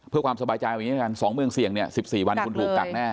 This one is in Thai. เพื่อความสบายใจสองเมืองเสี่ยง๑๔วันคุณถูกกักแน่